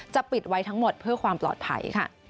ปิดไว้ทั้งหมดเพื่อความปลอดภัยค่ะ